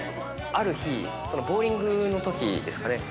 ある日ボウリングの時ですかね